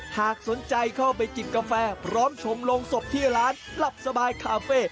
หากสนใจเข้าไปจิบกาแฟพร้อมชมโรงศพที่ร้านหลับสบายคาเฟ่